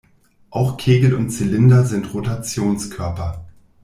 Auch Kegel und Zylinder sind Rotationskörper.